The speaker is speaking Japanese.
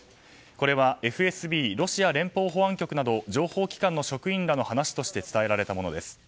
これはＦＳＢ・ロシア連邦保安局など情報機関の職員らの話として伝えられたものです。